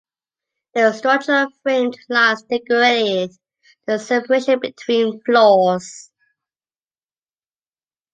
Their structural framed lines decorated the separation between floors.